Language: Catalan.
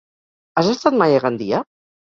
Has estat mai a Gandia?